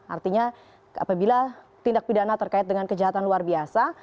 artinya apabila tindak pidana terkait dengan kejahatan luar biasa